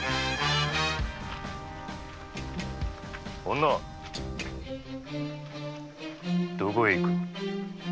女どこへ行く。